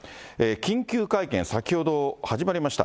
緊急会見、先ほど始まりました。